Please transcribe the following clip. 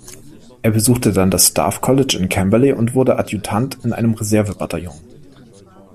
Er besuchte dann das Staff College in Camberley und wurde Adjutant in einem Reserve-Bataillon.